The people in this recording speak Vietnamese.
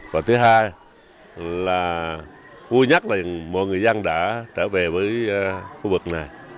và thứ hai là vui nhất là mọi người dân đã trở về với khu vực này